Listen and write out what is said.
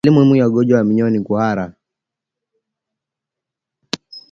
Dalili muhimu ya ugonjwa wa minyoo ni kuhara